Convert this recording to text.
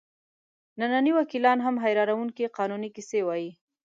ننني وکیلان هم حیرانوونکې قانوني کیسې وایي.